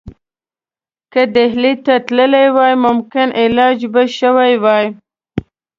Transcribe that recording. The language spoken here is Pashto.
که ډهلي ته تللی وای ممکن علاج به شوی وای.